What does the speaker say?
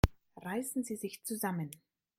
Reißen Sie sich zusammen!